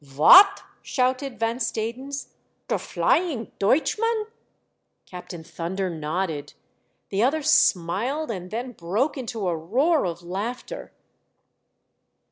" Vot !" shouted Van Stadens. " Der Flying Deutchman !" Captain Thunder nodded. The other smiled, and then broke into a roar of laughter.